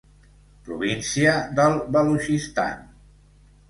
Província del Balutxistan.